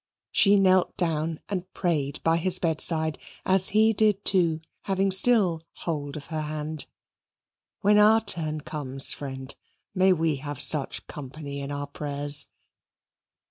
She knelt down and prayed by his bedside, as he did too, having still hold of her hand. When our turn comes, friend, may we have such company in our prayers!